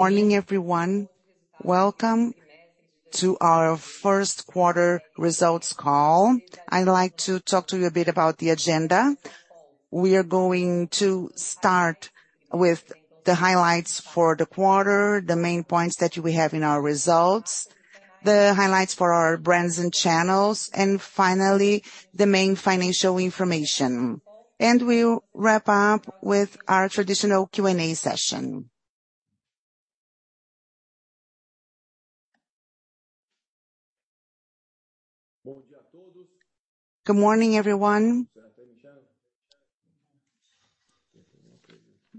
Morning, everyone. Welcome to our First Quarter Results Call. I'd like to talk to you a bit about the agenda. We are going to start with the highlights for the quarter, the main points that we have in our results, the highlights for our brands and channels, and finally, the main financial information. We'll wrap up with our traditional Q&A session. Good morning, everyone.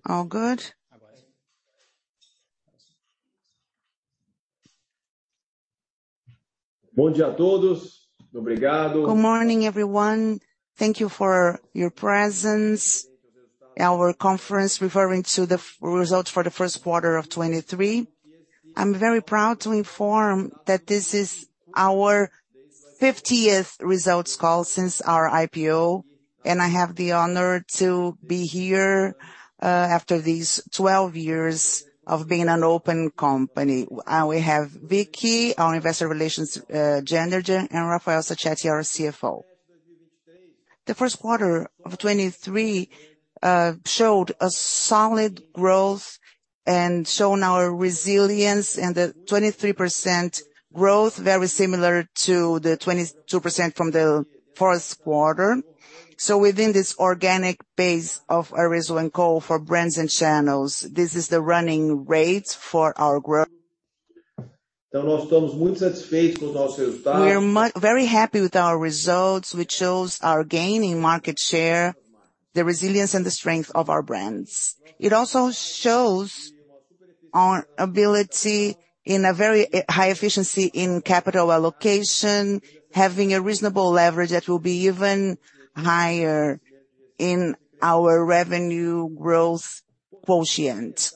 All good. Good morning, everyone. Thank you for your presence. Our conference referring to the results for the first quarter of 2023. I'm very proud to inform that this is our 50th results call since our IPO, and I have the honor to be here after these 12 years of being an open company. We have Vicky, our Investor Relations Manager, and Rafael Sachete, our CFO. The first quarter of 2023 showed a solid growth and shown our resilience and the 23% growth, very similar to the 22% from the fourth quarter. Within this organic base of Arezzo & Co for brands and channels, this is the running rate for our growth. We are very happy with our results, which shows our gain in market share, the resilience and the strength of our brands. It also shows our ability in a very high efficiency in capital allocation, having a reasonable leverage that will be even higher in our revenue growth quotient.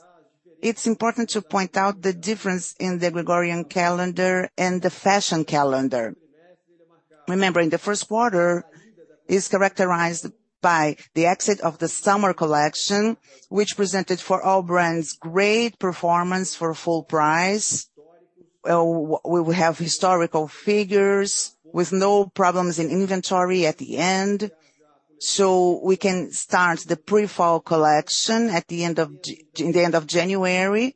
It's important to point out the difference in the Gregorian calendar and the fashion calendar. Remembering the first quarter is characterized by the exit of the summer collection, which presented for all brands great performance for full price. We have historical figures with no problems in inventory at the end. We can start the pre-fall collection at the end of January.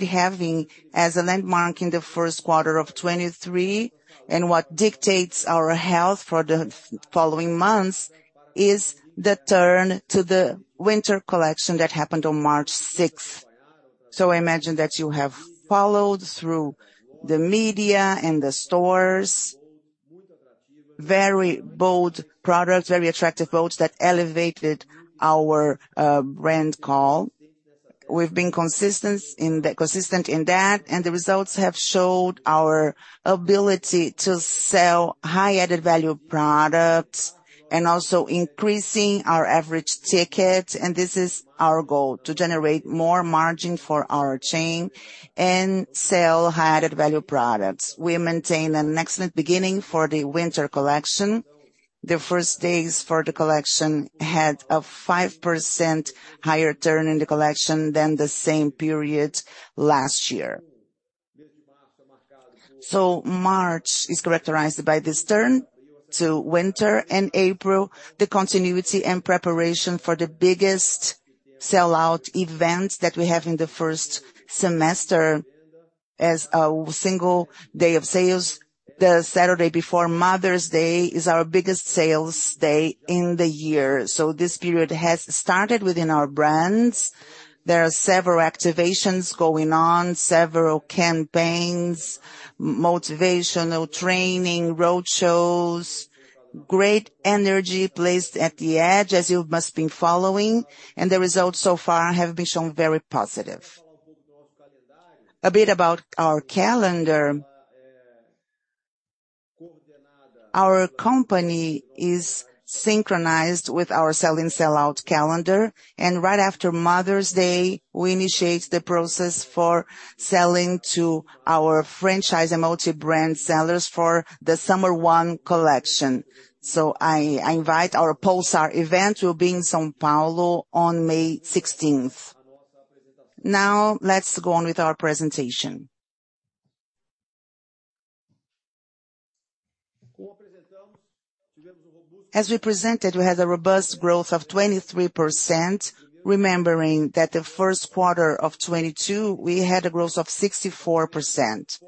Having as a landmark in the first quarter of 2023 and what dictates our health for the following months is the turn to the winter collection that happened on March 6th. I imagine that you have followed through the media and the stores. Very bold products, very attractive bolds that elevated our brand call. We've been consistent in that, and the results have showed our ability to sell high added value products and also increasing our average ticket. This is our goal, to generate more margin for our chain and sell high added value products. We maintain an excellent beginning for the winter collection. The first days for the collection had a 5% higher turn in the collection than the same period last year. March is characterized by this turn to winter and April, the continuity and preparation for the biggest sellout event that we have in the first semester as a single day of sales. The Saturday before Mother's Day is our biggest sales day in the year. This period has started within our brands. There are several activations going on, several campaigns, motivational training, roadshows, great energy placed at the edge, as you must been following, and the results so far have been shown very positive. A bit about our calendar. Our company is synchronized with our selling sellout calendar, and right after Mother's Day, we initiate the process for selling to our franchise and multi-brand sellers for the summer one collection. I invite our Pulsar event. We'll be in São Paulo on May 16th. Let's go on with our presentation. As we presented, we had a robust growth of 23%, remembering that the first quarter of 2022, we had a growth of 64%.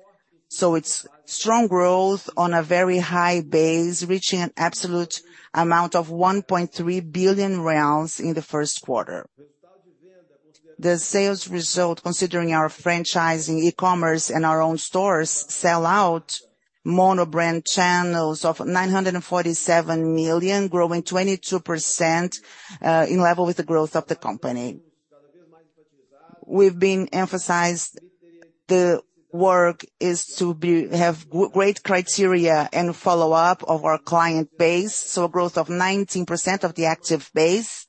It's strong growth on a very high base, reaching an absolute amount of 1.3 billion reais in the first quarter. The sales result, considering our franchising, e-commerce and our own stores sell-out mono-brand channels of 947 million, growing 22% in level with the growth of the company. We've been emphasized the work is to have great criteria and follow-up of our client base, a growth of 19% of the active base.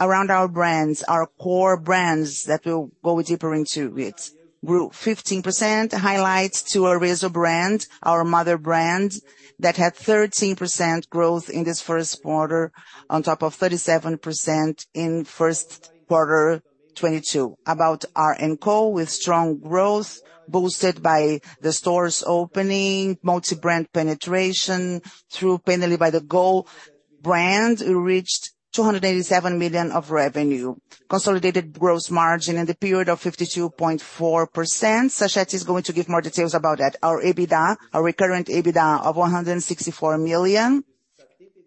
Around our brands, our core brands that we'll go deeper into it grew 15%. Highlights to Arezzo brand, our mother brand, that had 13% growth in this first quarter on top of 37% in first quarter 2022. About our end call with strong growth boosted by the stores opening, multi-brand penetration through mainly by the Gold brand, we reached 287 million of revenue. Consolidated gross margin in the period of 52.4%. Sachet is going to give more details about that. Our EBITDA, our recurrent EBITDA of 164 million.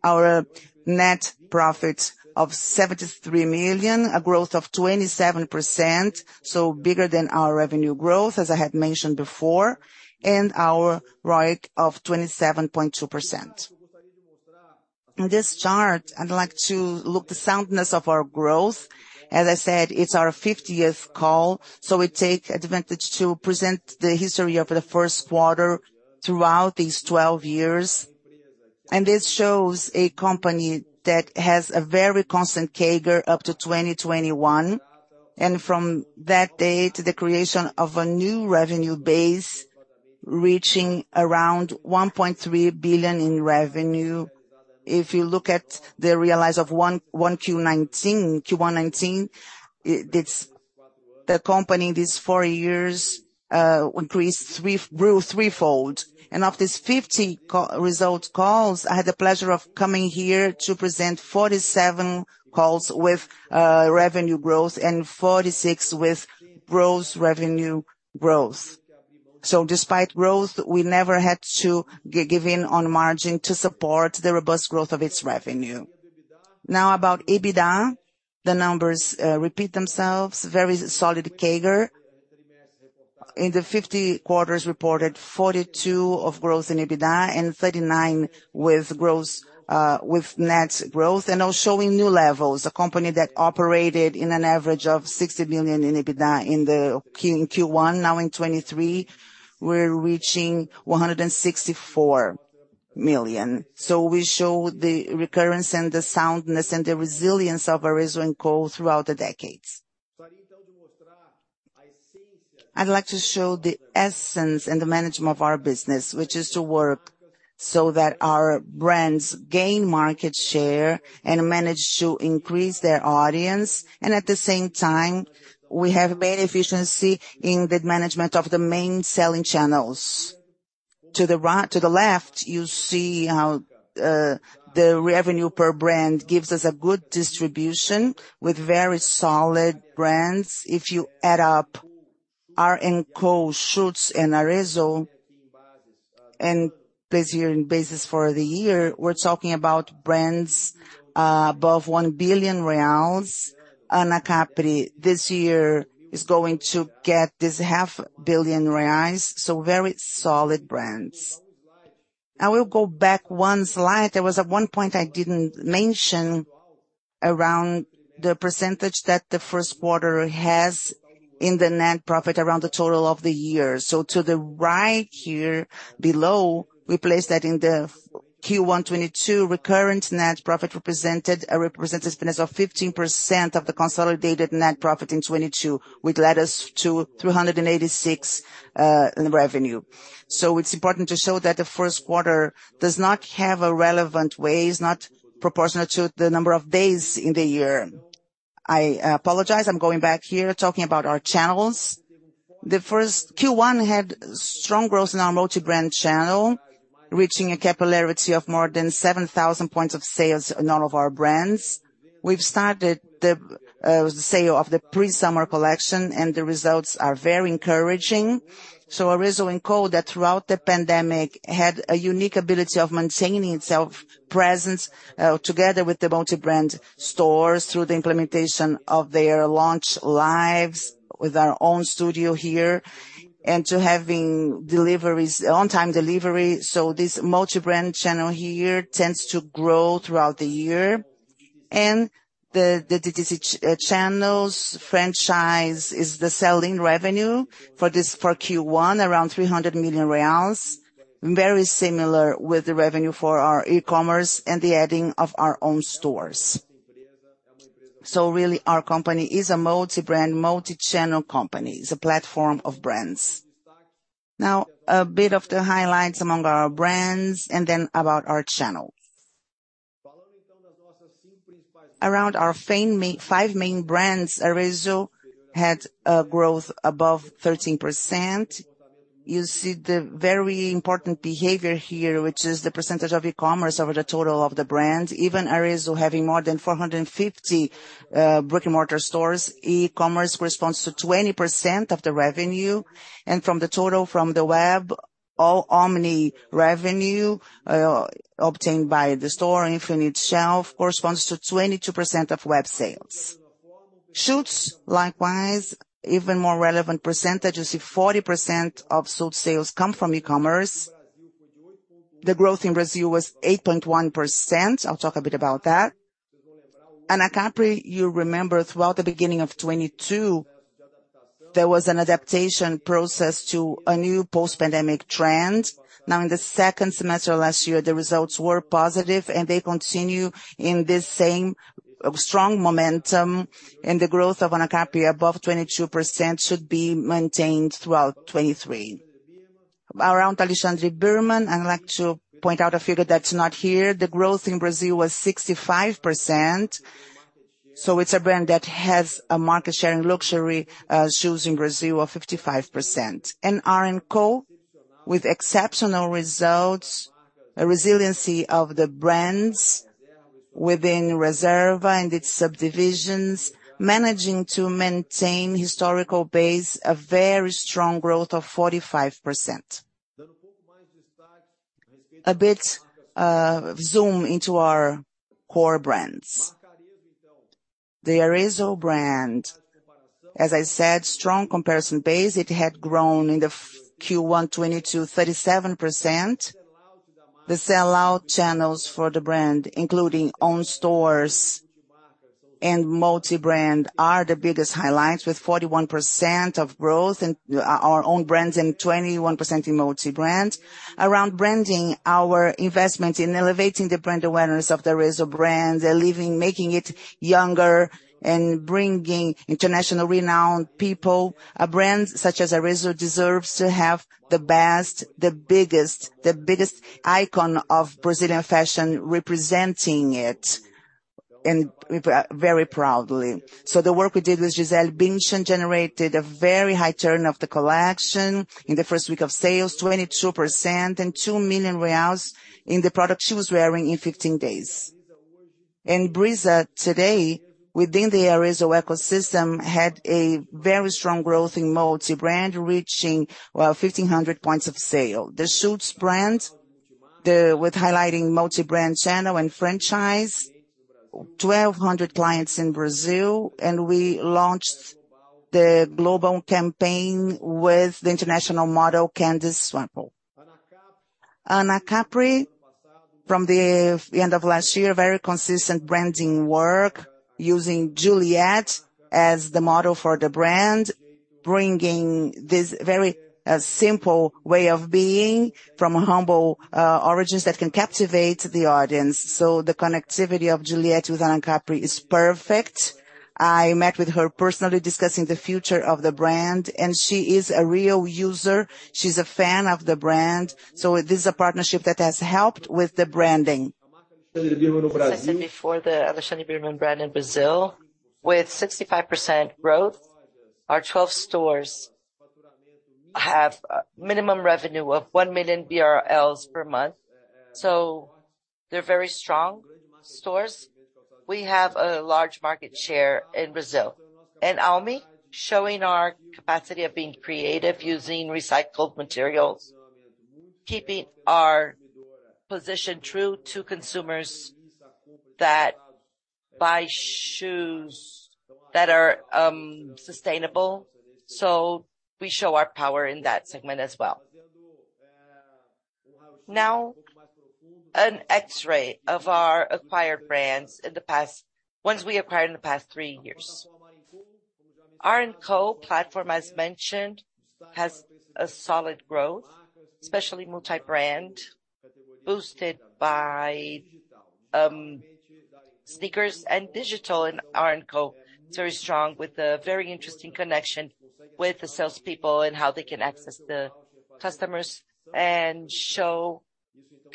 Our net profit of 73 million, a growth of 27%, bigger than our revenue growth, as I had mentioned before. Our ROIC of 27.2%. In this chart, I'd like to look the soundness of our growth. As I said, it's our 50th call, we take advantage to present the history of the first quarter throughout these 12 years. This shows a company that has a very constant CAGR up to 2021. From that date, the creation of a new revenue base reaching around 1.3 billion in revenue. If you look at the realize of one Q nineteen, Q one nineteen, the company in these four years grew threefold. Of these 50 result calls, I had the pleasure of coming here to present 47 calls with revenue growth and 46 with revenue growth. Despite growth, we never had to give in on margin to support the robust growth of its revenue. About EBITDA, the numbers repeat themselves. Very solid CAGR. In the 50 quarters reported, 42 of growth in EBITDA and 39 with net growth and now showing new levels. A company that operated in an average of 60 million in EBITDA in the Q1, now in 2023, we're reaching 164 million. We show the recurrence and the soundness and the resilience of Arezzo&Co throughout the decades. I'd like to show the essence in the management of our business, which is to work so that our brands gain market share and manage to increase their audience. At the same time, we have made efficiency in the management of the main selling channels. To the left, you see how the revenue per brand gives us a good distribution with very solid brands. If you add up our end co Schutz and Arezzo and this year in business for the year, we're talking about brands above 1 billion reais. Anacapri this year is going to get this half billion BRL, very solid brands. I will go back one slide. There was at one point I didn't mention around the percentage that the first quarter has in the net profit around the total of the year. To the right here below, we place that in the Q1 2022 recurrent net profit represented, represents as of 15% of the consolidated net profit in 2022, which led us to 386 in revenue. It's important to show that the first quarter does not have a relevant way. It's not proportional to the number of days in the year. I apologize, I'm going back here talking about our channels. The first Q1 had strong growth in our multi-brand channel, reaching a capillarity of more than 7,000 points of sales in all of our brands. We've started the sale of the pre-summer collection. The results are very encouraging. Arezzo that throughout the pandemic, had a unique ability of maintaining self presence together with the multi-brand stores through the implementation of their launch lives with our own studio here and to having deliveries, on-time delivery. This multi-brand channel here tends to grow throughout the year. The digit channels franchise is the selling revenue for this, for Q1, around 300 million reais, very similar with the revenue for our e-commerce and the adding of our own stores. Really, our company is a multi-brand, multi-channel company. It's a platform of brands. A bit of the highlights among our brands and then about our channels. Around our five main brands, Arezzo had a growth above 13%. You see the very important behavior here, which is the percentage of e-commerce over the total of the brand. Even Arezzo having more than 450 brick-and-mortar stores, e-commerce corresponds to 20% of the revenue. From the total, from the web, all omni revenue obtained by the store infinite shelf corresponds to 22% of web sales. Schutz, likewise, even more relevant percentages, if 40% of sub sales come from e-commerce, the growth in Brazil was 8.1%. I'll talk a bit about that. Anacapri, you remember throughout the beginning of 2022, there was an adaptation process to a new post-pandemic trend. In the second semester of last year, the results were positive and they continue in this same strong momentum. The growth of Anacapri above 22% should be maintained throughout 2023. Around Alexandre Birman, I'd like to point out a figure that's not here. The growth in Brazil was 65%, it's a brand that has a market share in luxury shoes in Brazil of 55%. AR&Co, with exceptional results, a resiliency of the brands within Reserva and its subdivisions, managing to maintain historical base, a very strong growth of 45%. A bit, zoom into our core brands. The Arezzo brand, as I said, strong comparison base. It had grown in the Q1 2022 37%. The sellout channels for the brand, including own stores and multi-brand are the biggest highlights with 41% of growth in our own brands and 21% in multi-brand. Around branding, our investment in elevating the brand awareness of the Arezzo brand making it younger and bringing international renowned people. A brand such as Arezzo deserves to have the best, the biggest icon of Brazilian fashion representing it, we're very proudly. The work we did with Gisele Bündchen generated a very high turn of the collection. In the first week of sales, 22% and 2 million reais in the product she was wearing in 15 days. Brizza today, within the Arezzo ecosystem, had a very strong growth in multi-brand, reaching, well, 1,500 points of sale. The Schutz brand, with highlighting multi-brand channel and franchise, 1,200 clients in Brazil, we launched the global campaign with the international model, Candice Swanepoel. Anacapri, from the end of last year, very consistent branding work using Juliet as the model for the brand, bringing this very simple way of being from humble origins that can captivate the audience. The connectivity of Juliet with Anacapri is perfect. I met with her personally discussing the future of the brand, she is a real user. She's a fan of the brand. This is a partnership that has helped with the branding. As I said before, the Alexandre Birman brand in Brazil, with 65% growth, our 12 stores have minimum revenue of 1 million BRL per month, they're very strong stores. We have a large market share in Brazil. Oami, showing our capacity of being creative using recycled materials, keeping our position true to consumers that buy shoes that are sustainable. We show our power in that segment as well. An X-ray of our acquired brands in the past, ones we acquired in the past three years. Azzas 2154 platform, as mentioned, has a solid growth, especially multi-brand, boosted by sneakers and digital. Azzas 2154 is very strong with a very interesting connection with the salespeople and how they can access the customers and show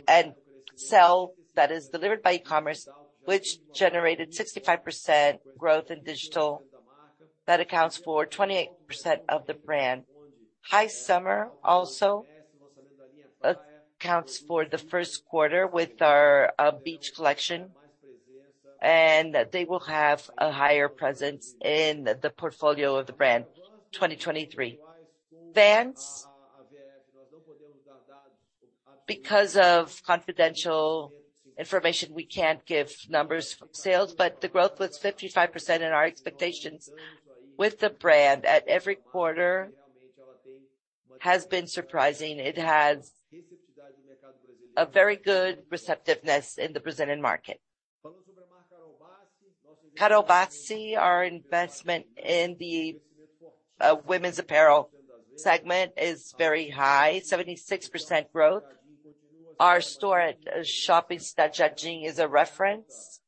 and sell that is delivered by e-commerce, which generated 65% growth in digital. That accounts for 28% of the brand. High summer also accounts for the first quarter with our beach collection. They will have a higher presence in the portfolio of the brand, 2023. Vans. Because of confidential information, we can't give numbers from sales. The growth was 55%. Our expectations with the brand at every quarter has been surprising. It has a very good receptiveness in the Brazilian market. Carol Bassi, our investment in the women's apparel segment is very high, 76% growth. Our store at Shopping Cidade Jardim is a reference.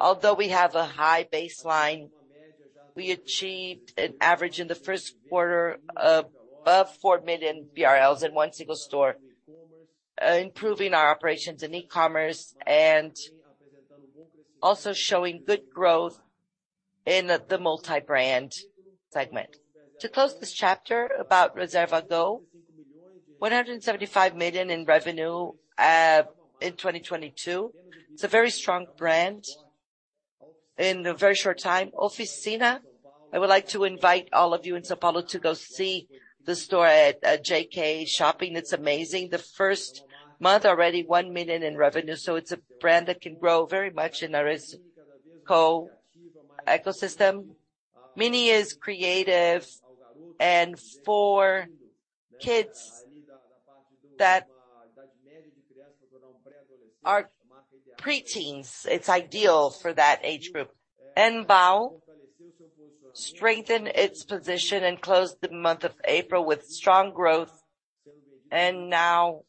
Although we have a high baseline, we achieved an average in the first quarter of above 4 million BRL in one single store, improving our operations in e-commerce and also showing good growth in the multi-brand segment. To close this chapter about Reserva Go, 175 million in revenue in 2022. It's a very strong brand in a very short time. Oficina, I would like to invite all of you in São Paulo to go see the store at JK Shopping. It's amazing. The first month already, 1 million in revenue. It's a brand that can grow very much in Arezzo ecosystem. Mini is creative and for kids that are preteens, it's ideal for that age group. Baw strengthened its position and closed the month of April with strong growth and now.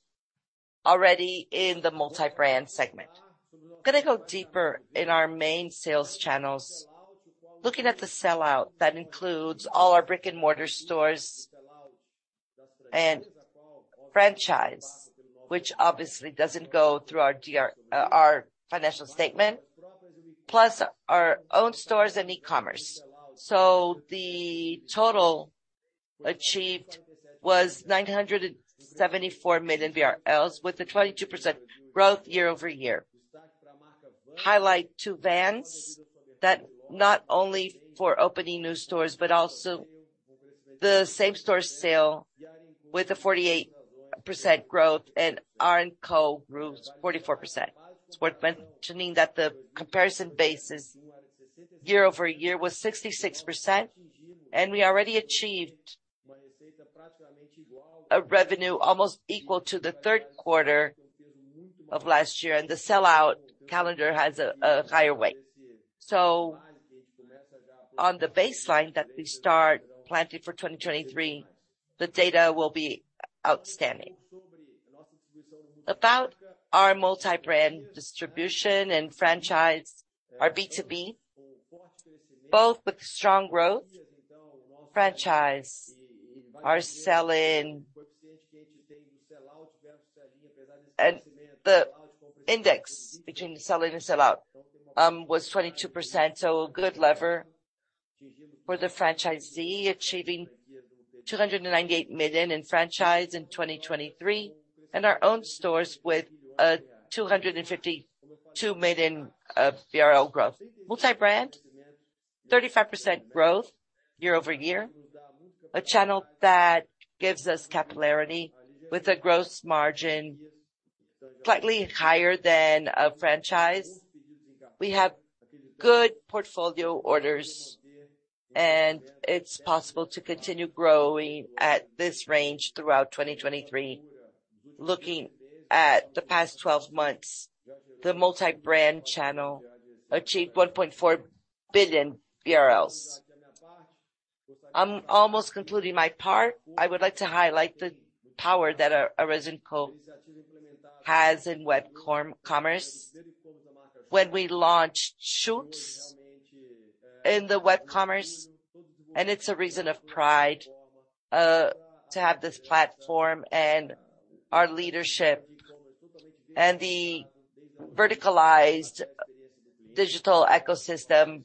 Already in the multi-brand segment. Going to go deeper in our main sales channels. Looking at the sell-out, that includes all our brick-and-mortar stores and franchise, which obviously doesn't go through our financial statement, plus our own stores and e-commerce. The total achieved was 974 million BRL, with a 22% growth year-over-year. Highlight to Vans that not only for opening new stores, but also the Same-Store sale with a 48% growth and AR&Co grew 44%. It's worth mentioning that the comparison basis year-over-year was 66%, and we already achieved a revenue almost equal to the third quarter of last year, and the sell-out calendar has a higher weight. On the baseline that we start planning for 2023, the data will be outstanding. About our multi-brand distribution and franchise, our B2B, both with strong growth. Franchise are selling... The index between the sell-in and sell-out was 22%, so a good lever for the franchisee achieving 298 million in franchise in 2023. Our own stores with 252 million BRL growth. Multi-brand, 35% growth year-over-year. A channel that gives us capillarity with a gross margin slightly higher than a franchise. We have good portfolio orders, and it's possible to continue growing at this range throughout 2023. Looking at the past 12 months, the multi-brand channel achieved 1.4 billion BRL. I'm almost concluding my part. I would like to highlight the power that Arezzo&Co has in web com-commerce. When we launched Schutz in the web commerce, it's a reason of pride to have this platform and our leadership and the verticalized digital ecosystem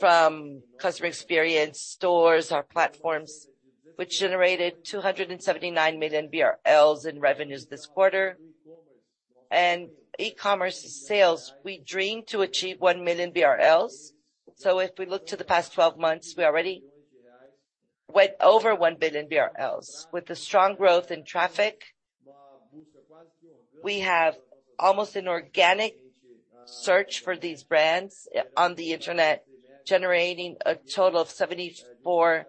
from customer experience stores or platforms, which generated 279 million BRL in revenues this quarter. E-commerce sales, we dream to achieve 1 billion BRL. If we look to the past 12 months, we already went over 1 billion BRL. With the strong growth in traffic, we have almost an organic search for these brands on the internet, generating a total of 74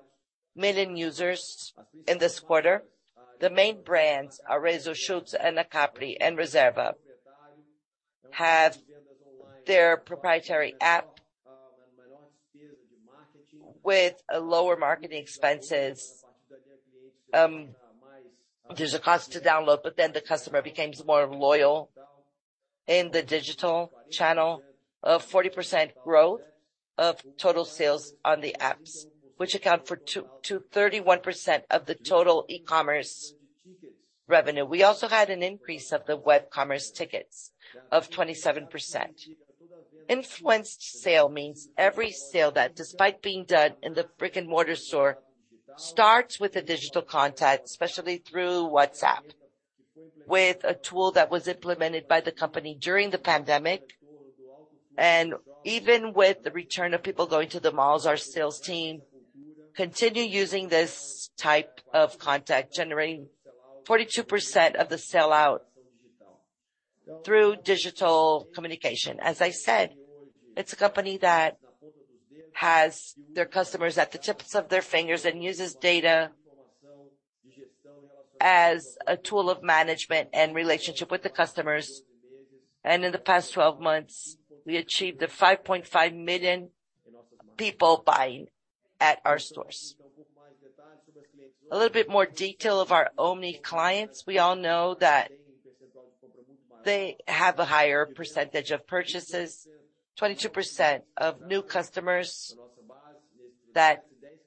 million users in this quarter. The main brands, Arezzo, Schutz, Anacapri and Reserva, have their proprietary app with lower marketing expenses. There's a cost to download, the customer becomes more loyal in the digital channel. 40% growth of total sales on the apps, which account for 231% of the total e-commerce revenue. We also had an increase of the web commerce tickets of 27%. Influenced sale means every sale that, despite being done in the brick-and-mortar store, starts with a digital contact, especially through WhatsApp, with a tool that was implemented by the company during the pandemic. Even with the return of people going to the malls, our sales team continue using this type of contact, generating 42% of the sell-out through digital communication. As I said, it's a company that has their customers at the tips of their fingers and uses data as a tool of management and relationship with the customers. In the past 12 months, we achieved the 5.5 million people buying at our stores. A little bit more detail of our omni clients. We all know that they have a higher percentage of purchases. 22% of new customers that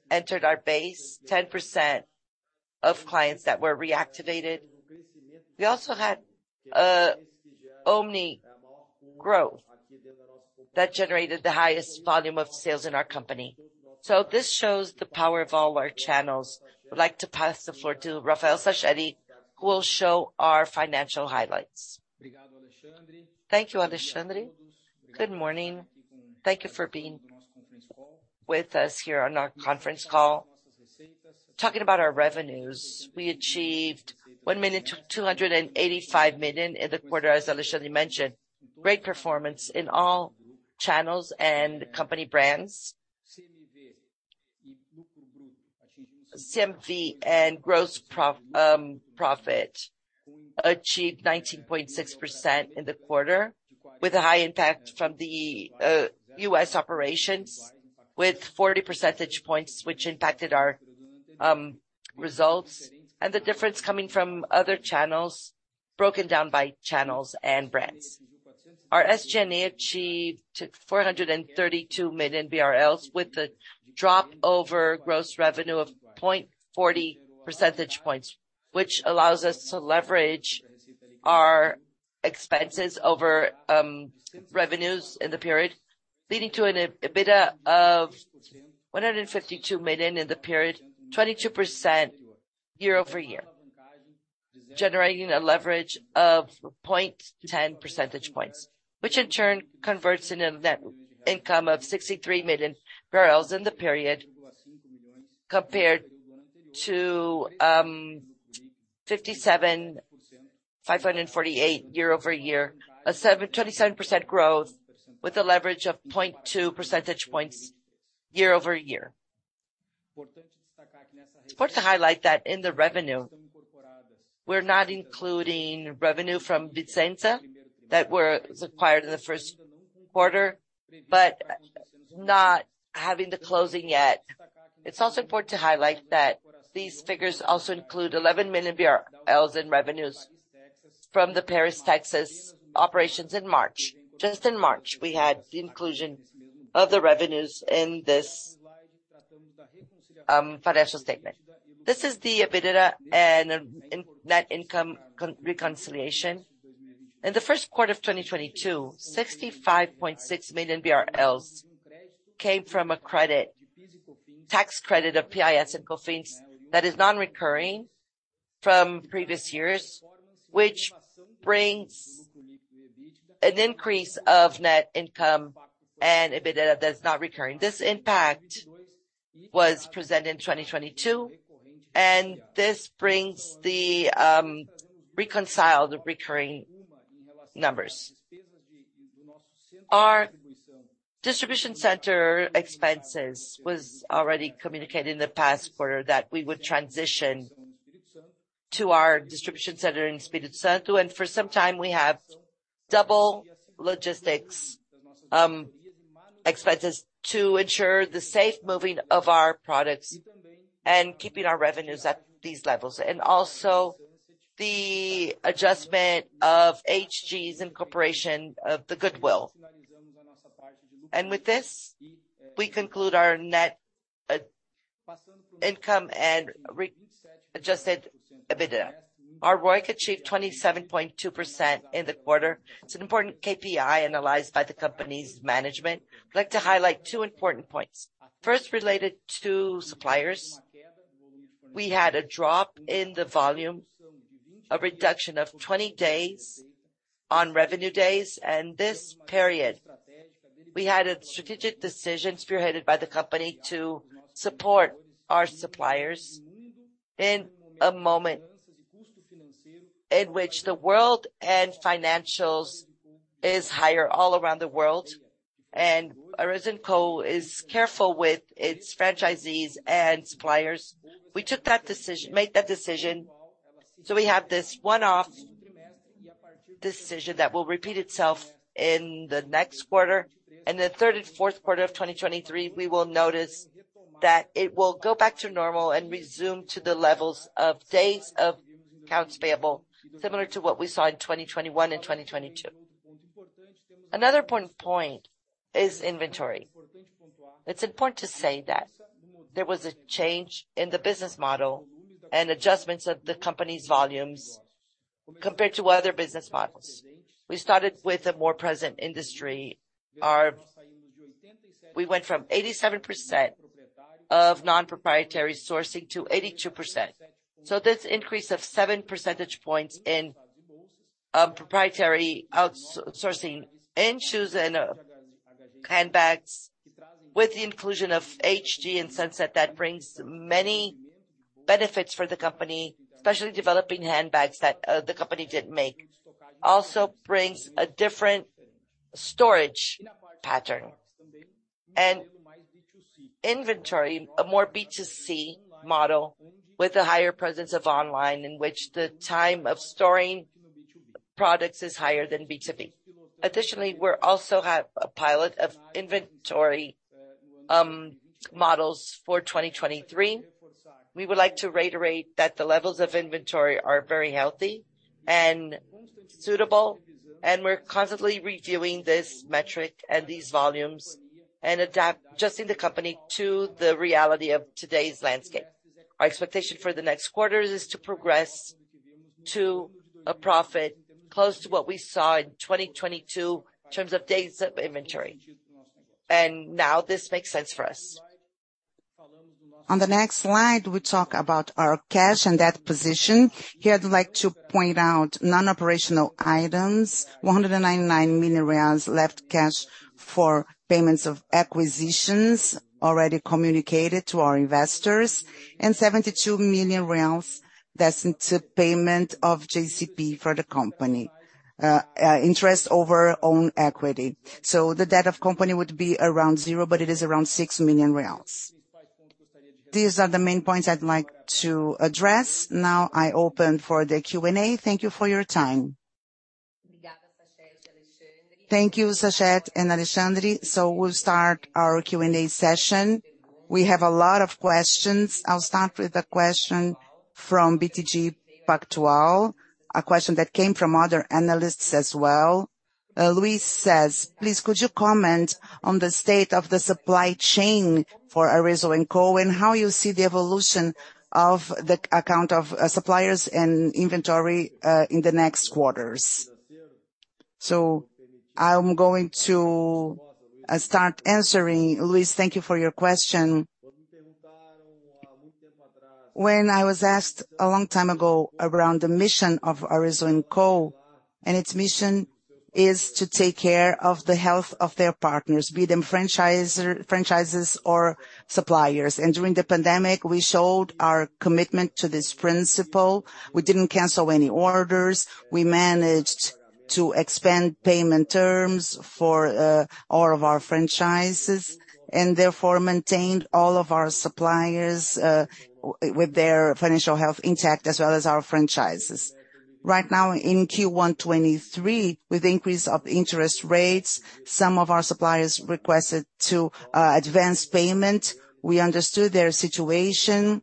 entered our base, 10% of clients that were reactivated. We also had omni growth that generated the highest volume of sales in our company. This shows the power of all our channels. I would like to pass the floor to Rafael Sachete, who will show our financial highlights. Thank you, Alexandre. Good morning. Thank you for being with us here on our conference call. Talking about our revenues, we achieved 1.285 billion in the quarter, as Alexandre mentioned. Great performance in all channels and company brands. CMV and gross profit achieved 19.6% in the quarter, with a high impact from the U.S. operations, with 40 percentage points which impacted our results and the difference coming from other channels, broken down by channels and brands. Our SG&A achieved 432 million BRL with the drop over gross revenue of 0.40 percentage points, which allows us to leverage our expenses over revenues in the period, leading to an EBITDA of 152 million in the period, 22% year-over-year. Generating a leverage of 0.10 percentage points, which in turn converts a net income of 63 million in the period compared to 57,548 year-over-year, a 27% growth with a leverage of 0.2 percentage points year-over-year. It's important to highlight that in the revenue, we're not including revenue from Vicenza that were acquired in the first quarter, but not having the closing yet. It's also important to highlight that these figures also include 11 million BRL in revenues from the Paris Texas operations in March. Just in March, we had the inclusion of the revenues in this financial statement. This is the EBITDA and net income reconciliation. In the first quarter of 2022, 65.6 million BRL came from a credit, tax credit of PIS and COFINS that is non-recurring from previous years, which brings an increase of net income and EBITDA that's not recurring. This impact was present in 2022, and this brings the reconciled recurring numbers. Our distribution center expenses was already communicated in the past quarter that we would transition to our distribution center in Espírito Santo. For some time, we have double logistics expenses to ensure the safe moving of our products and keeping our revenues at these levels. Also the adjustment of HG and corporation of the goodwill. With this, we conclude our net income and re-adjusted EBITDA. Our ROIC achieved 27.2% in the quarter. It's an important KPI analyzed by the company's management. I'd like to highlight two important points. First, related to suppliers. We had a drop in the volume, a reduction of 20 days on revenue days. This period, we had a strategic decision spearheaded by the company to support our suppliers in a moment in which the world and financials is higher all around the world. Azzas 2154 is careful with its franchisees and suppliers. We made that decision. We have this one-off decision that will repeat itself in the next quarter. In the 3rd and 4th quarter of 2023, we will notice that it will go back to normal and resume to the levels of days of accounts payable, similar to what we saw in 2021 and 2022. Another important point is inventory. It's important to say that there was a change in the business model and adjustments of the company's volumes compared to other business models. We started with a more present industry. We went from 87% of non-proprietary sourcing to 82%. This increase of 7 percentage points in proprietary out-sourcing in shoes and handbags with the inclusion of HG and Sunset that brings many benefits for the company, especially developing handbags that the company didn't make. Brings a different storage pattern and inventory, a more B2C model with a higher presence of online, in which the time of storing products is higher than B2B. Additionally, we're also have a pilot of inventory models for 2023. We would like to reiterate that the levels of inventory are very healthy and suitable, and we're constantly reviewing this metric and these volumes and adjusting the company to the reality of today's landscape. Our expectation for the next quarters is to progress to a profit close to what we saw in 2022 in terms of days of inventory. Now this makes sense for us. On the next slide, we talk about our cash and debt position. Here, I'd like to point out non-operational items. 199 million reais left cash for payments of acquisitions already communicated to our investors, and 72 million, that's into payment of JCP for the company, interest over own equity. The debt of company would be around zero, but it is around 6 million reais. These are the main points I'd like to address. Now I open for the Q&A. Thank you for your time. Thank you, Sachete and Alexandre. We'll start our Q&A session. We have a lot of questions. I'll start with a question from BTG Pactual, a question that came from other analysts as well. Luis says, "Please could you comment on the state of the supply chain for Azzas 2154, and how you see the evolution of the account of suppliers and inventory in the next quarters?" I'm going to start answering. Luis, thank you for your question. When I was asked a long time ago around the mission of Azzas 2154, and its mission is to take care of the health of their partners, be them franchisor-franchises or suppliers. During the pandemic, we showed our commitment to this principle. We didn't cancel any orders. We managed to expand payment terms for all of our franchises, and therefore maintained all of our suppliers with their financial health intact, as well as our franchises. Right now, in Q1 2023, with the increase of interest rates, some of our suppliers requested to advance payment. We understood their situation.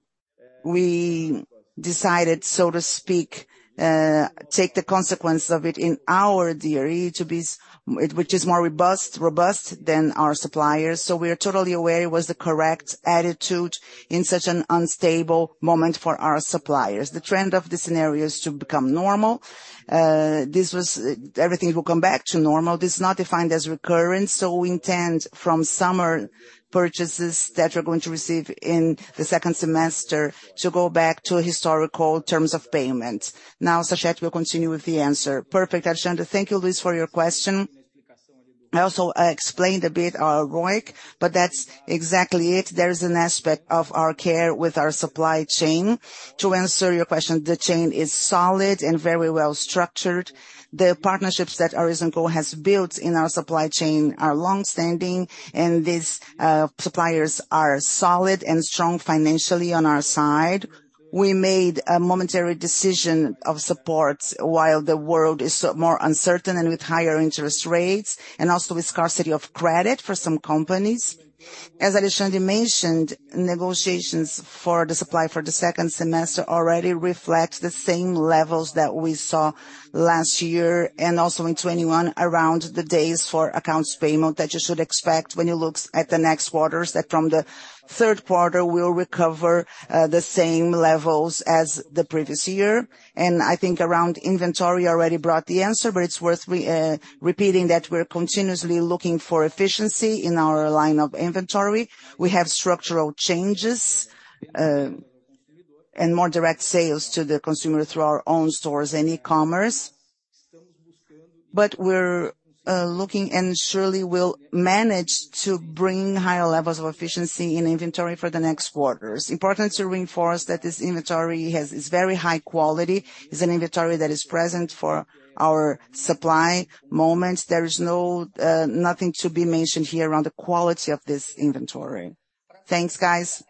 We decided, so to speak, take the consequence of it in our DRE to be which is more robust than our suppliers. We are totally aware it was the correct attitude in such an unstable moment for our suppliers. The trend of the scenario is to become normal. This was, everything will come back to normal. This is not defined as recurrent, we intend from summer purchases that we're going to receive in the second semester to go back to historical terms of payment. Rafael Sachete will continue with the answer. Perfect, Alexandre. Thank you, Luis, for your question. I also explained a bit our ROIC, that's exactly it. There is an aspect of our care with o ur supply chain. To answer your question, the chain is solid and very well structured. The partnerships that Azzas 2154 has built in our supply chain are longstanding, and these suppliers are solid and strong financially on our side. We made a momentary decision of support while the world is more uncertain and with higher interest rates, and also with scarcity of credit for some companies. As Alexandre mentioned, negotiations for the supply for the second semester already reflect the same levels that we saw last year and also in 2021 around the days for accounts payment that you should expect when you look at the next quarters, that from the third quarter we'll recover the same levels as the previous year. I think around inventory, I already brought the answer, but it's worth repeating that we're continuously looking for efficiency in our line of inventory. We have structural changes, and more direct sales to the consumer through our own stores and e-commerce. We're looking, and surely will manage to bring higher levels of efficiency in inventory for the next quarters. Important to reinforce that this inventory is very high quality. It's an inventory that is present for our supply moments. There is no nothing to be mentioned here around the quality of this inventory. Thanks, guys.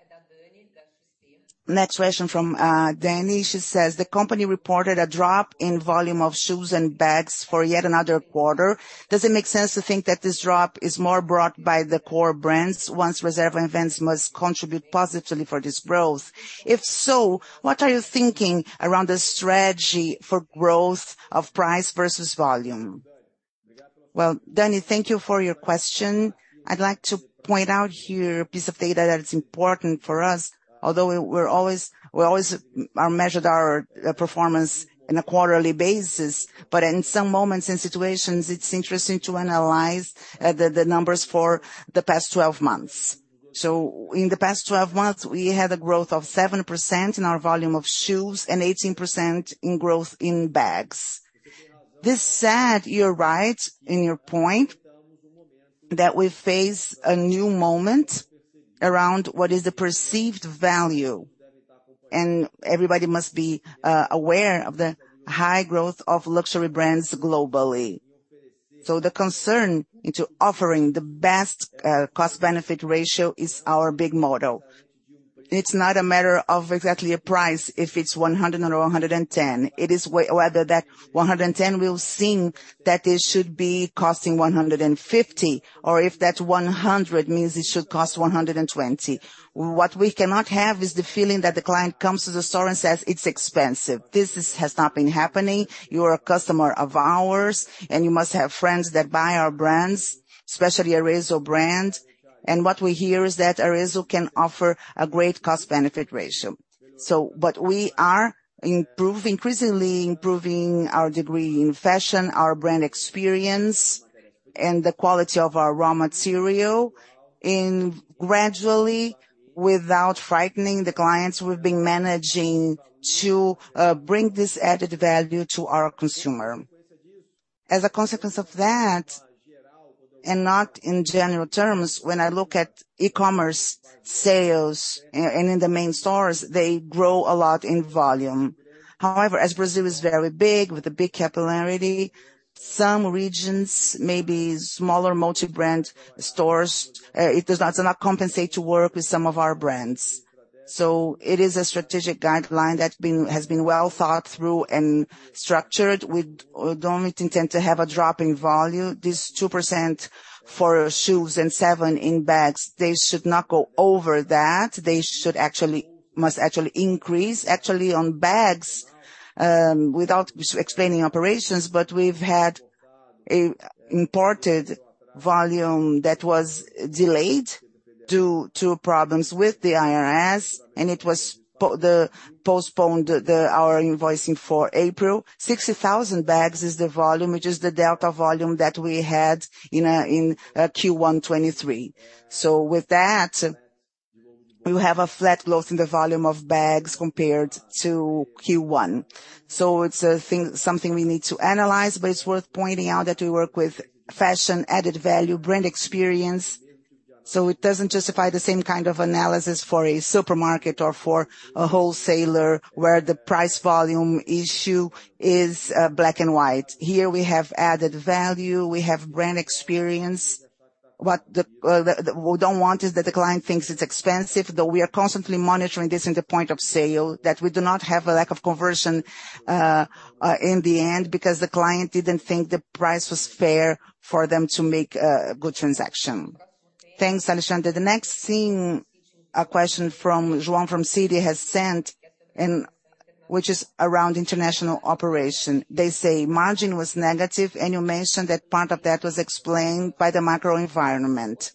Next question from Danny. She says, "The company reported a drop in volume of shoes and bags for yet another quarter. Does it make sense to think that this drop is more brought by the core brands, once Reserva and events must contribute positively for this growth? If so, what are you thinking around the strategy for growth of price versus volume?" Danny, thank you for your question. I'd like to point out here a piece of data that is important for us. Although we're always, are measured our performance in a quarterly basis. In some moments and situations, it's interesting to analyze the numbers for the past 12 months. In the past 12 months, we had a growth of 7% in our volume of shoes and 18% in growth in bags. This said, you're right in your point that we face a new moment around what is the perceived value. Everybody must be aware of the high growth of luxury brands globally. The concern into offering the best cost-benefit ratio is our big model. It's not a matter of exactly a price if it's 100 or 110. It is whether that 110 will seem that it should be costing 150, or if that 100 means it should cost 120. What we cannot have is the feeling that the client comes to the store and says, "It's expensive." This has not been happening. You're a customer of ours, and you must have friends that buy our brands, especially Arezzo brand. What we hear is that Arezzo can offer a great cost-benefit ratio. But we are increasingly improving our degree in fashion, our brand experience, and the quality of our raw material. Gradually, without frightening the clients, we've been managing to bring this added value to our consumer. As a consequence of that, and not in general terms, when I look at e-commerce sales and in the main stores, they grow a lot in volume. However, as Brazil is very big with a big capillarity, some regions, maybe smaller multi-brand stores, it does not compensate to work with some of our brands. It is a strategic guideline that has been well thought through and structured. We don't intend to have a drop in volume. This 2% for shoes and 7% in bags, they should not go over that. They should actually must actually increase. Actually on bags, without explaining operations, but we've had a imported volume that was delayed due to problems with the IRS, and it was postponed the our invoicing for April. 60,000 bags is the volume, which is the delta volume that we had in Q1 2023. With that, we have a flat growth in the volume of bags compared to Q1. It's something we need to analyze, but it's worth pointing out that we work with fashion, added value, brand experience, so it doesn't justify the same kind of analysis for a supermarket or for a wholesaler where the price volume issue is black and white. Here we have added value, we have brand experience. What the, we don't want is that the client thinks it's expensive, though we are constantly monitoring this in the point of sale, that we do not have a lack of conversion in the end because the client didn't think the price was fair for them to make a good transaction. Thanks, Alexandre. The next thing, a question from Juan from CD has sent and which is around international operation. They say margin was negative, and you mentioned that part of that was explained by the macro environment.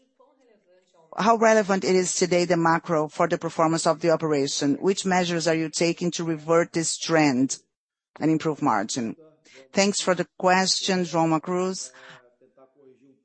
How relevant it is today, the macro, for the performance of the operation? Which measures are you taking to revert this trend and improve margin? Thanks for the question, Juan Cruz.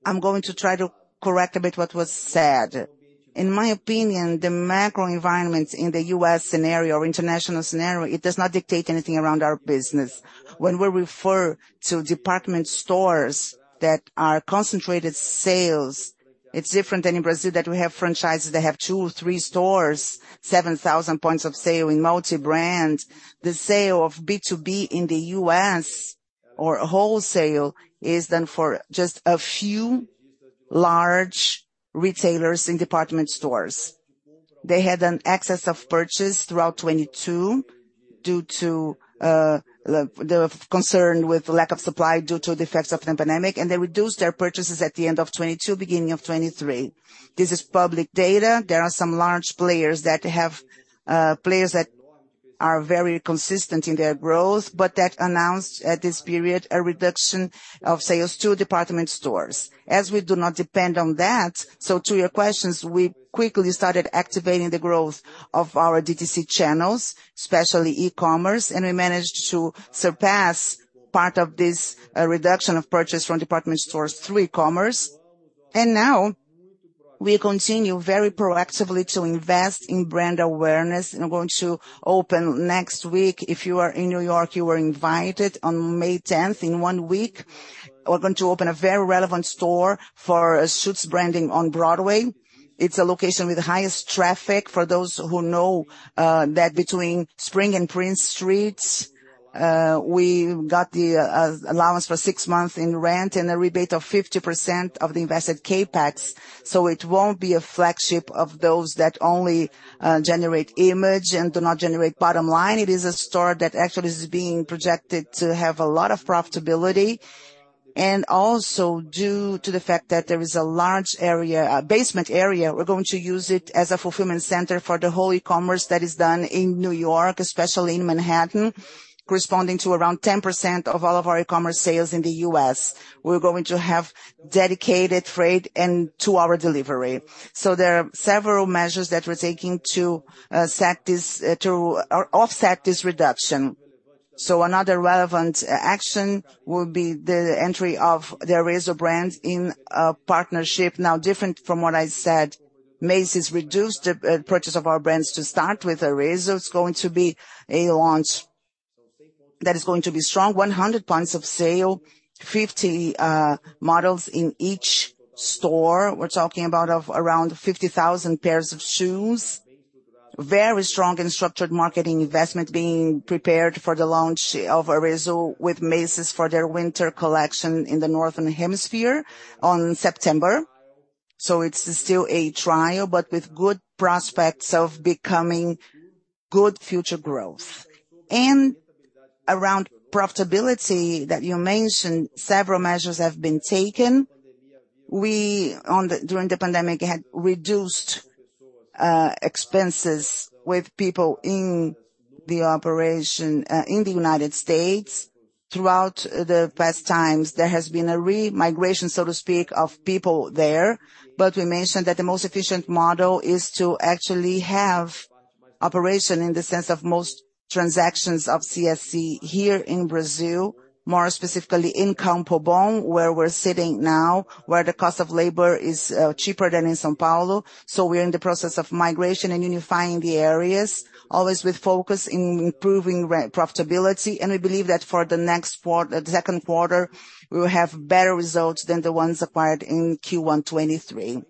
I'm going to try to correct a bit what was said. In my opinion, the macro environment in the U.S. scenario or international scenario, it does not dictate anything around our business. When we refer to department stores that are concentrated sales, it's different than in Brazil that we have franchises that have two, three stores, 7,000 points of sale in multi-brand. The sale of B2B in the U.S. or wholesale is done for just a few large retailers in department stores. They had an excess of purchase throughout 2022 due to the concern with lack of supply due to the effects of the pandemic. They reduced their purchases at the end of 2022, beginning of 2023. This is public data. There are some large players that are very consistent in their growth, but that announced at this period a reduction of sales to department stores. As we do not depend on that, so to your questions, we quickly started activating the growth of our DTC channels, especially e-commerce. We managed to surpass part of this reduction of purchase from department stores through e-commerce. Now we continue very proactively to invest in brand awareness and are going to open next week. If you are in New York, you were invited on May 10th, in 1 week. We're going to open a very relevant store for Schutz branding on Broadway. It's a location with the highest traffic. For those who know, that between Spring and Prince Streets, we got the allowance for 6 months in rent and a rebate of 50% of the invested CapEx. It won't be a flagship of those that only generate image and do not generate bottom line. It is a store that actually is being projected to have a lot of profitability. Also due to the fact that there is a large area, a basement area, we're going to use it as a fulfillment center for the whole e-commerce that is done in New York, especially in Manhattan, corresponding to around 10% of all of our e-commerce sales in the U.S. We're going to have dedicated freight and two-hour delivery. There are several measures that we're taking to set this or offset this reduction. Another relevant action will be the entry of the Arezzo brand in a partnership. Different from what I said, Macy's reduced the purchase of our brands to start with. Arezzo's going to be a launch that is going to be strong. 100 points of sale, 50 models in each store. We're talking about around 50,000 pairs of shoes. Very strong and structured marketing investment being prepared for the launch of Arezzo with Macy's for their winter collection in the northern hemisphere on September. It's still a trial, but with good prospects of becoming good future growth. Around profitability that you mentioned, several measures have been taken. We on the, during the pandemic, had reduced expenses with people in the operation in the United States. Throughout the past times, there has been a re-migration, so to speak, of people there. We mentioned that the most efficient model is to actually have operation in the sense of most transactions of CSC here in Brazil, more specifically in Campo Bom, where we're sitting now, where the cost of labor is cheaper than in São Paulo. We're in the process of migration and unifying the areas, always with focus in improving profitability. We believe that for the next second quarter, we will have better results than the ones acquired in Q1 2023.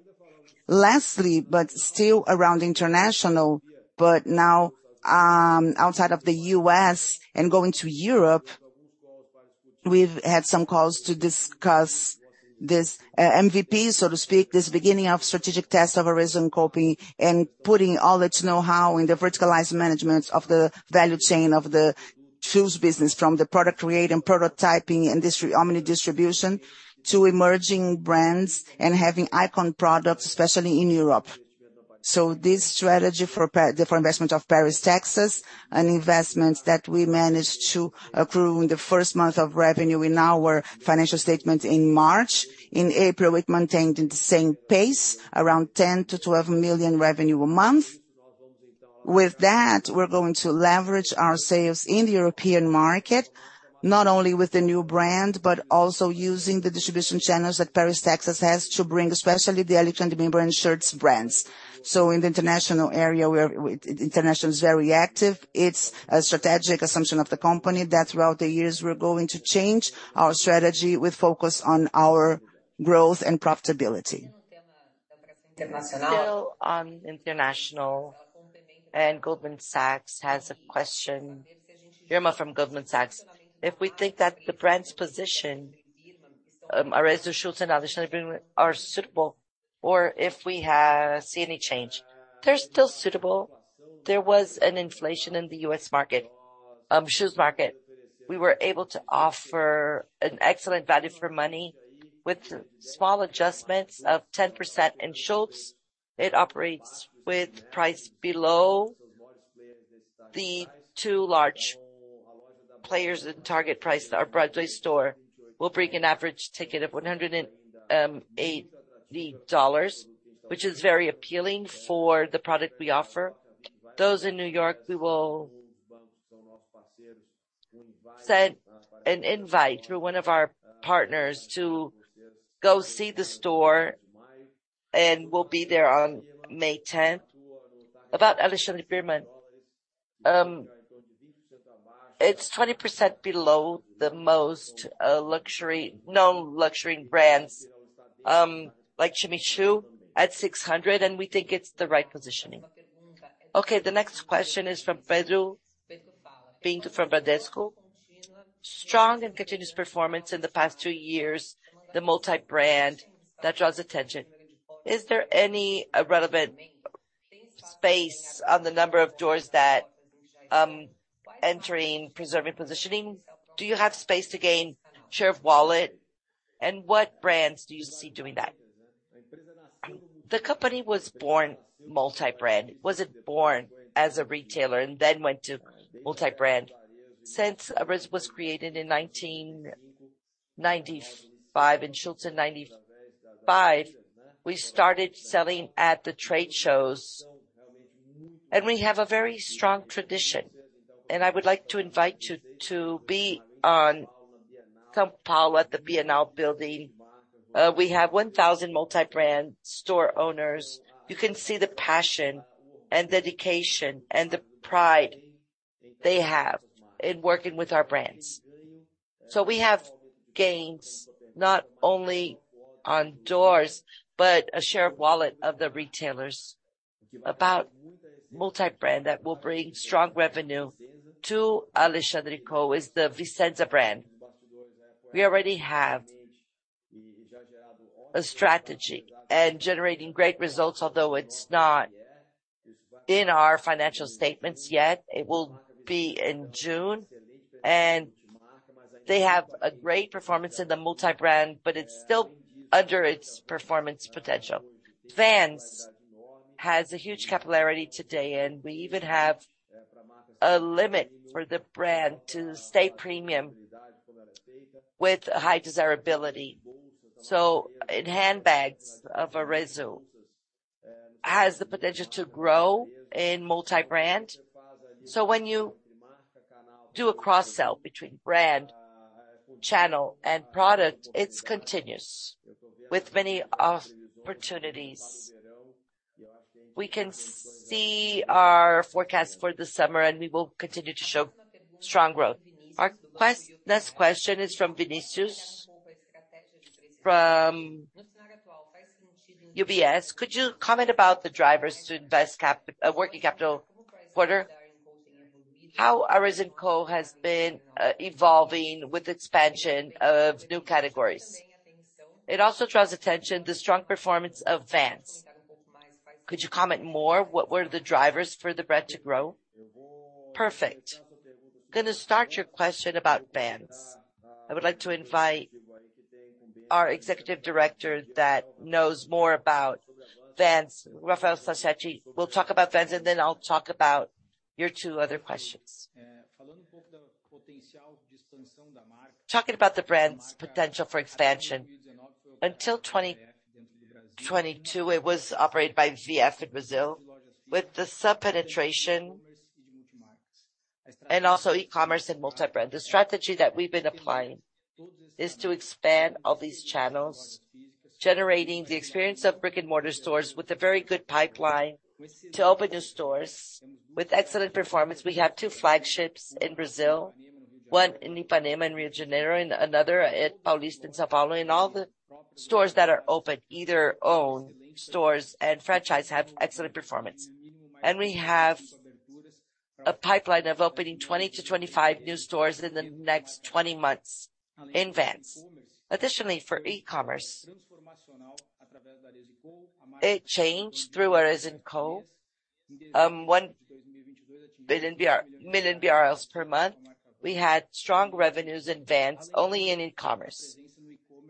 Lastly, still around international, but now, outside of the U.S. and going to Europe. We've had some calls to discuss this MVP, so to speak, this beginning of strategic test of Arezzo&Co and putting all its know-how in the verticalized management of the value chain of the shoes business from the product create and prototyping and omni-distribution to emerging brands and having icon products, especially in Europe. This strategy for investment of Paris Texas, an investment that we managed to accrue in the first month of revenue in our financial statement in March. In April, it maintained the same pace, around 10 million-12 million revenue a month. We're going to leverage our sales in the European market, not only with the new brand, but also using the distribution channels that Paris Texas has to bring, especially the Alexandre Birman shoes brands. In the international area with international is very active. It's a strategic assumption of the company that throughout the years we're going to change our strategy with focus on our growth and profitability. Still on international, Goldman Sachs has a question. Irma from Goldman Sachs. If we think that the brand's position, Arezzo, Schutz, and Alexandre Birman are suitable or if we have see any change. They're still suitable. There was an inflation in the U.S. market, shoes market. We were able to offer an excellent value for money with small adjustments of 10% in Schutz. It operates with price below the two large players in target price. Our Broadway store will bring an average ticket of $180, which is very appealing for the product we offer. Those in New York, we will send an invite through one of our partners to go see the store, and we'll be there on May 10th. About Alexandre Birman, it's 20% below the most luxury known luxury brands, like Jimmy Choo at $600, and we think it's the right positioning. Okay, the next question is from Pedro Pinto from Bradesco. Strong and continuous performance in the past two years, the multi-brand that draws attention. Is there any relevant space on the number of doors that, entering preserving positioning? Do you have space to gain share of wallet? What brands do you see doing that? The company was born multi-brand. It wasn't born as a retailer and then went to multi-brand. Since Arezzo was created in 1995 and Schutz in 95, we started selling at the trade shows, and we have a very strong tradition. I would like to invite you to be on São Paulo at the Bienal building. We have 1,000 multi-brand store owners. You can see the passion and dedication and the pride they have in working with our brands. We have gains not only on doors, but a share of wallet of the retailers. About multi-brand that will bring strong revenue to Alexandre Birman is the Vicenza brand. We already have a strategy and generating great results, although it's not in our financial statements yet. It will be in June. They have a great performance in the multi-brand, but it's still under its performance potential. Vans has a huge capillarity today, and we even have a limit for the brand to stay premium with high desirability. In handbags of Arezzo has the potential to grow in multi-brand. When you do a cross-sell between brand, channel, and product, it's continuous with many opportunities. We can see our forecast for the summer, and we will continue to show strong growth. Next question is from Vinicius from UBS. Could you comment about the drivers to invest working capital quarter? How Arezzo has been evolving with expansion of new categories? It also draws attention the strong performance of Vans. Could you comment more, what were the drivers for the brand to grow? Perfect. Gonna start your question about Vans. I would like to invite our executive director that knows more about Vans, Rafael Sachete, will talk about Vans, and then I'll talk about your two other questions. Talking about the brand's potential for expansion. Until 2022, it was operated by VF in Brazil. With the sub-penetration and also e-commerce and multi-brand, the strategy that we've been applying is to expand all these channels, generating the experience of brick-and-mortar stores with a very good pipeline to open new stores. With excellent performance, we have two flagships in Brazil, one in Ipanema in Rio de Janeiro and another at Paulista in São Paulo. All the stores that are open, either own stores and franchise, have excellent performance. We have a pipeline of opening 20-25 new stores in the next 20 months in Vans. Additionally, for eCommerce, it changed through a resin code, 1 million BRL per month. We had strong revenues in Vans only in eCommerce.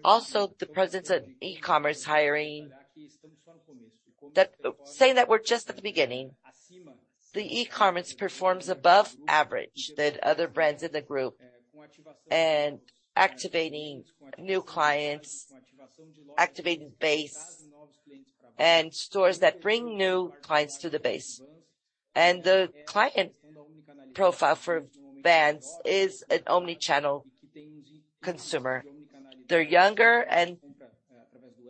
The presence of eCommerce hiring that we're just at the beginning. The eCommerce performs above average than other brands in the group, and activating new clients, activating base and stores that bring new clients to the base. The client profile for Vans is an omni-channel consumer. They're younger,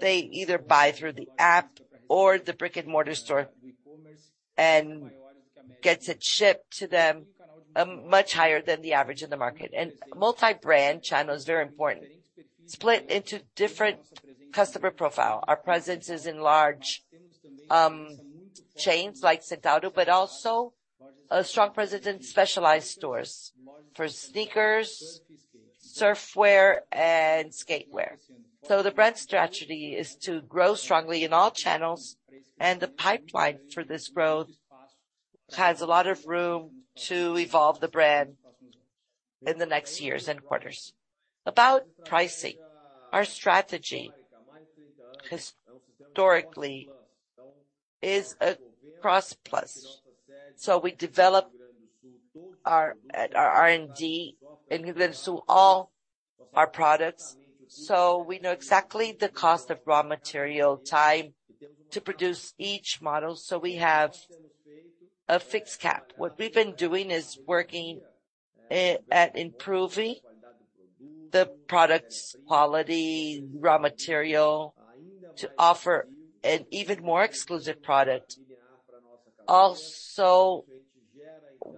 they either buy through the app or the brick-and-mortar store and gets it shipped to them, much higher than the average in the market. Multi-brand channel is very important. Split into different customer profile. Our presence is in large chains like Centauro, but also a strong presence in specialized stores for sneakers, surf wear, and skate wear. The brand strategy is to grow strongly in all channels, and the pipeline for this growth has a lot of room to evolve the brand in the next years and quarters. About pricing. Our strategy historically is a cross plus. We develop our R&D in relation to all our products, so we know exactly the cost of raw material, time to produce each model, so we have a fixed cap. What we've been doing is working at improving the products' quality, raw material to offer an even more exclusive product.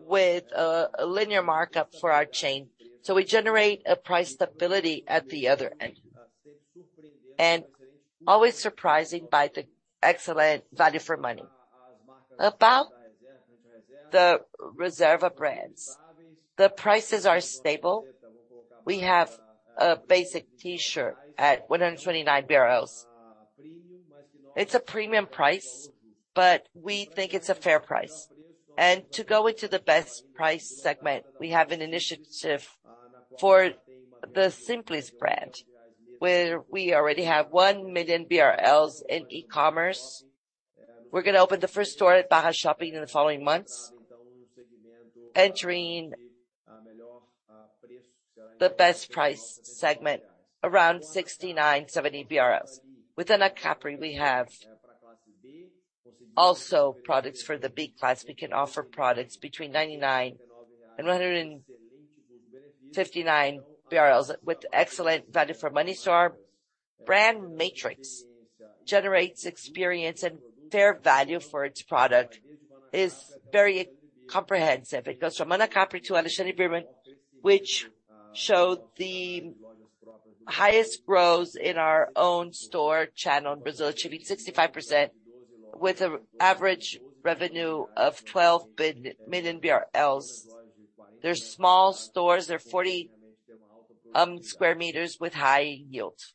With a linear markup for our chain. We generate a price stability at the other end. Always surprising by the excellent value for money. About the Reserva brands. The prices are stable. We have a basic T-shirt at 129. It's a premium price, but we think it's a fair price. To go into the best price segment, we have an initiative for the Simples brand, where we already have 1 million BRL in eCommerce. We're gonna open the first store at Barra Shopping in the following months, entering the best price segment around 69-70 BRL. Within Anacapri, we have also products for the B class. We can offer products between 99 and 159 with excellent value for money. Our brand matrix generates experience and fair value for its product. It's very comprehensive. It goes from Anacapri to Alexandre Birman, which showed the highest growth in our own store channel in Brazil, achieving 65% with an average revenue of 12 bi-million. They're small stores. They're 40 square meters with high yields.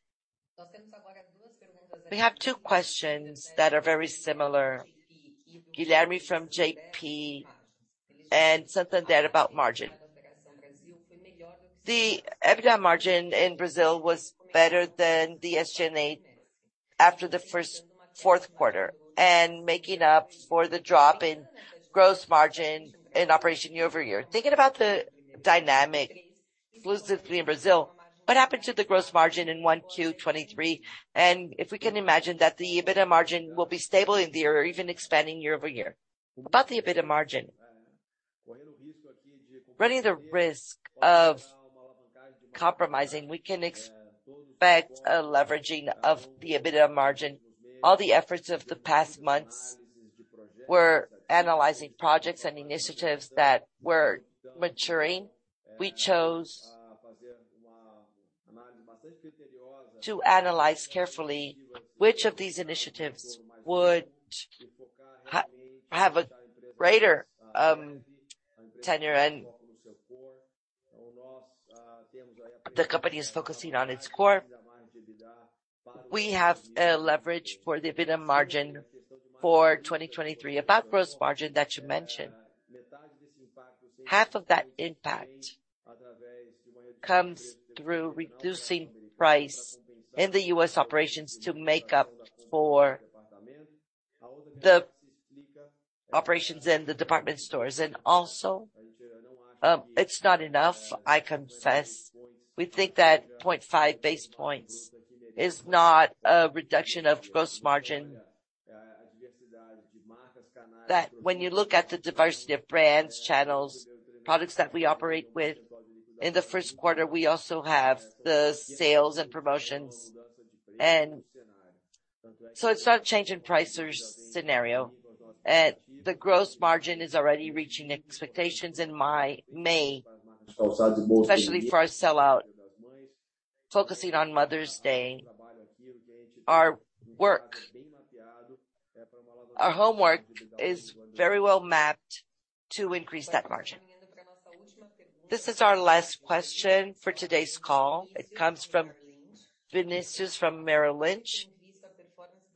We have two questions that are very similar. Guilherme from JP and something there about margin. The EBITDA margin in Brazil was better than the SG&A after the first fourth quarter, making up for the drop in gross margin in operation year-over-year. Thinking about the dynamic exclusively in Brazil, what happened to the gross margin in 1Q '23? If we can imagine that the EBITDA margin will be stable in the year or even expanding year-over-year. About the EBITDA margin. Running the risk of compromising, we can expect a leveraging of the EBITDA margin. All the efforts of the past months were analyzing projects and initiatives that were maturing. We chose to analyze carefully which of these initiatives would have a greater tenure and the company is focusing on its core. We have a leverage for the EBITDA margin for 2023. About gross margin that you mentioned. Half of that impact comes through reducing price in the U.S. operations to make up for the operations in the department stores. Also, it's not enough, I confess. We think that 0.5 basis points is not a reduction of gross margin. That when you look at the diversity of brands, channels, products that we operate with in the first quarter, we also have the sales and promotions. It's not a change in pricers scenario. The gross margin is already reaching expectations in May, especially for our sell-out. Focusing on Mother's Day, our work, our homework is very well mapped to increase that margin. This is our last question for today's call. It comes from Vinicius from Merrill Lynch.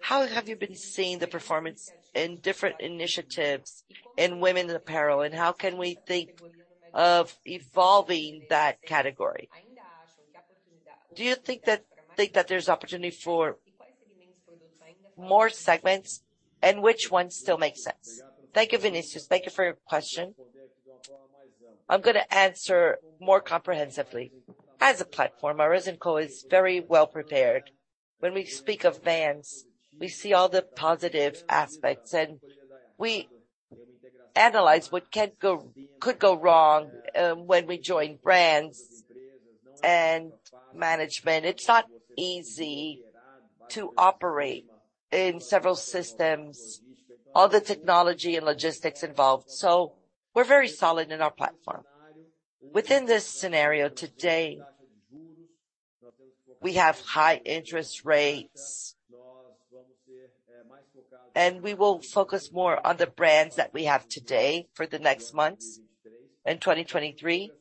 How have you been seeing the performance in different initiatives in women apparel, and how can we think of evolving that category? Do you think that there's opportunity for more segments, and which ones still make sense? Thank you, Vinicius. Thank you for your question. I'm gonna answer more comprehensively. As a platform, Azzas 2154 is very well-prepared. When we speak of brands, we see all the positive aspects, we analyze what could go wrong, when we join brands and management. It's not easy to operate in several systems, all the technology and logistics involved, we're very solid in our platform. Within this scenario today, we have high interest rates, we will focus more on the brands that we have today for the next months in 2023.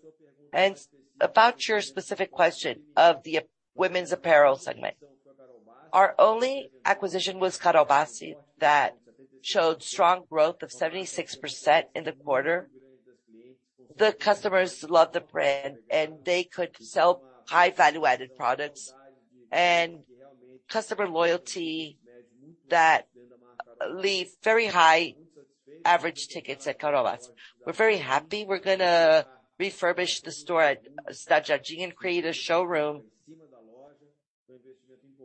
About your specific question of the women's apparel segment, our only acquisition was Carol Bassi that showed strong growth of 76% in the quarter. The customers love the brand, and they could sell high value-added products and customer loyalty that leave very high average tickets at Carol Bassi. We're very happy, we're gonna refurbish the store at Engenhão and create a showroom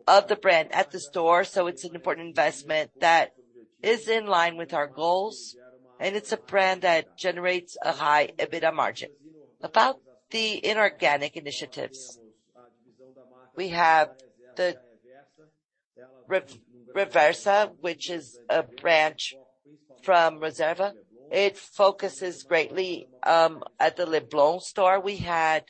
of the brand at the store, so it's an important investment that is in line with our goals, and it's a brand that generates a high EBITDA margin. About the inorganic initiatives, we have the Reversa, which is a branch from Reserva. It focuses greatly at the Leblon store. We had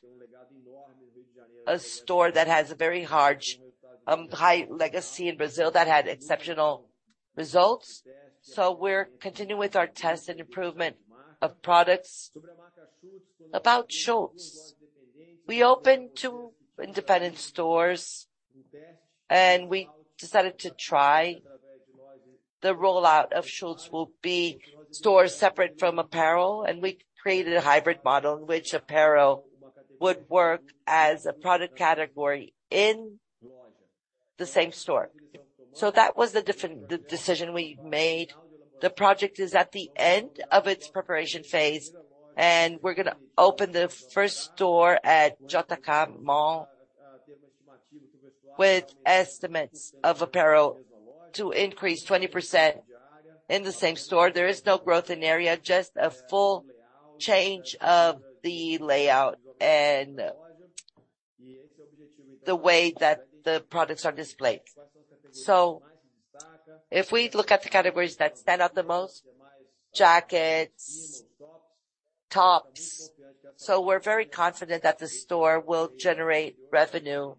a store that has a very large, high legacy in Brazil that had exceptional results, so we're continuing with our test and improvement of products. About Schutz, we opened two independent stores, and we decided to try. The rollout of Schutz will be stores separate from apparel, and we created a hybrid model in which apparel would work as a product category in the same store. That was the decision we made. The project is at the end of its preparation phase. We're gonna open the first store at JK Mall, with estimates of apparel to increase 20% in the same store. There is no growth in area, just a full change of the layout and the way that the products are displayed. If we look at the categories that stand out the most, jackets, tops. We're very confident that the store will generate revenue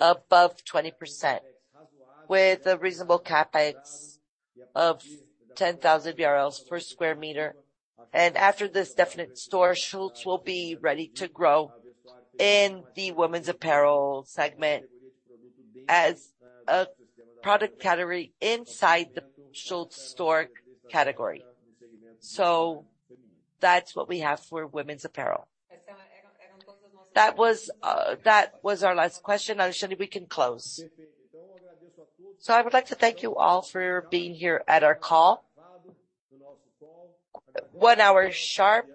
above 20% with a reasonable CapEx of 10,000 BRL per square meter. After this definite store, Schutz will be ready to grow in the women's apparel segment as a product category inside the Schutz store category. That's what we have for women's apparel. That was our last question. Shirley, we can close. I would like to thank you all for being here at our call. One hour sharp.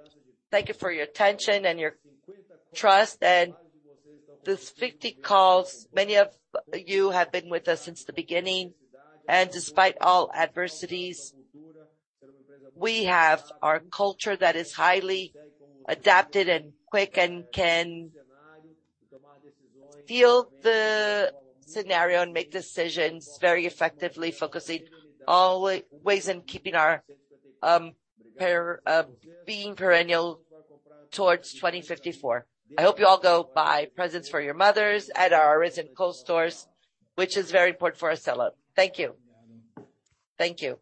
Thank you for your attention and your trust. These 50 calls, many of you have been with us since the beginning. Despite all adversities, we have our culture that is highly adapted and quick and can feel the scenario and make decisions very effectively, focusing always in keeping our being perennial towards 2054. I hope you all go buy presents for your mothers at our Azzas 2154 stores, which is very important for our sell-out. Thank you. Thank you.